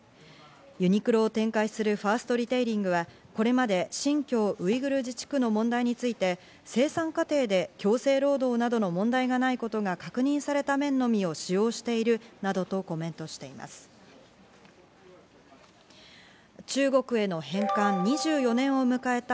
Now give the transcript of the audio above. ユニクロを展開するファーストリテイリングはこれまで新疆ウイグル自治区の問題について、生産過程で強制労働などの問題がないことが確認された綿のみを使用しているなどとコメントしています。